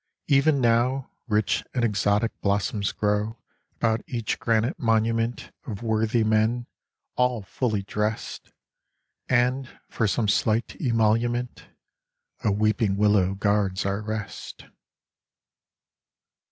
" Even now Rich and exotic blossoms grow About each granite monument Of worthy men, all fully drest, And, for some slight emolument, A weeping willow guards our rest.